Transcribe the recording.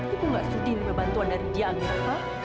ibu nggak sudi berbantuan dari dia amira